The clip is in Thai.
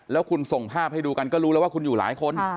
แล้วคุณส่งภาพให้ดูกันก็รู้แล้วว่าคุณอยู่หลายคน